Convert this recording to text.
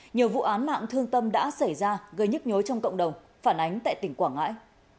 nhiều vụ án mạng thương tâm đã xảy ra gây nhức nhối trong cộng đồng phản ánh tại tỉnh quảng ngãi